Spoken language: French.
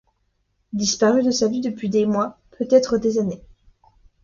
Disparue de sa vie depuis des mois, peut-être des années.